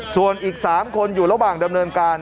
ส่วนอีก๓คนอยู่ระหว่างดำเนินการ